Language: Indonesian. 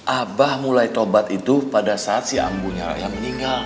abah mulai tobat itu pada saat si ambunya yang meninggal